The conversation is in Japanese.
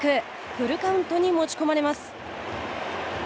フルカウントに持ち込まれます。